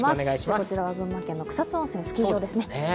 こちらは群馬県の草津温泉スキー場ですね。